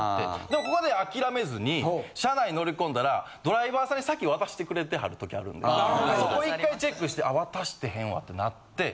でもここで諦めずに車内乗り込んだらドライバーさんに先渡してくれてはる時あるんでそこ一回チェックしてあ渡してへんわってなって。